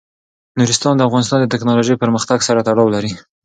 نورستان د افغانستان د تکنالوژۍ پرمختګ سره تړاو لري.